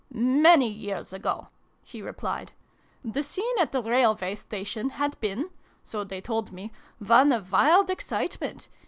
" Many years ago," he replied. " The scene at the Railway Station had been (so they told me) one of wild excitement.